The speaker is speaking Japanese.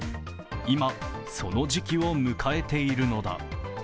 今、その時期を迎えているのだ。